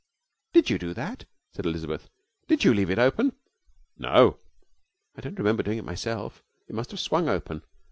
'Did you do that?' said Elizabeth. 'Did you leave it open?' 'No.' 'I don't remember doing it myself. It must have swung open.